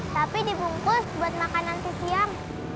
tapi dibungkus buat makanan siang